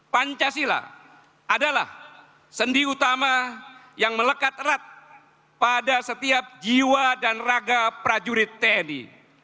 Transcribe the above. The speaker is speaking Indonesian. pancasila adalah sendi utama yang melekat erat pada setiap jiwa dan raga prajurit tni